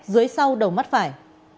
dưới sau đầu mắt phải